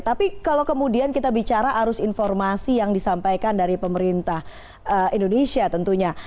tapi kalau kemudian kita bicara arus informasi yang disampaikan dari pemerintah indonesia tentunya